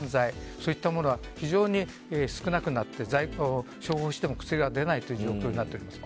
そういったものが非常に少なくなって薬が出ないという状況になっています。